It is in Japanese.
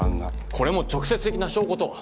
これも直接的な証拠とは。